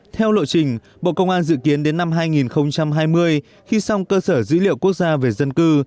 theo lộ trình bộ công an dự kiến đến năm hai nghìn hai mươi khi xong cơ sở dữ liệu quốc gia về dân cư